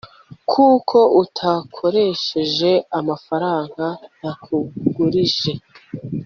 kuki utakoresheje amafaranga nakugurije